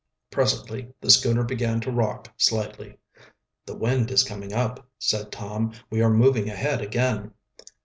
Presently the schooner began to rock slightly. "The wind is coming up," said Tom. "We are moving ahead again."